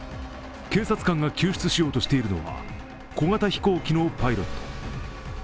警察官が救出しようとしているのは小型飛行機のパイロット。